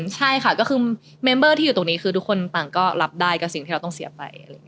ใช่ค่ะก็คือเมมเบอร์ที่อยู่ตรงนี้คือทุกคนต่างก็รับได้กับสิ่งที่เราต้องเสียไป